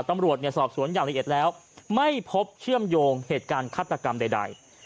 ตำรวจสอบสวนอย่างละเอียดแล้วไม่พบเชื่อมโยงเหตุการณ์ฆาตกรรมใด